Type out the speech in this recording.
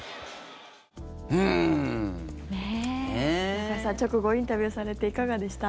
中居さん、直後インタビューされていかがでした？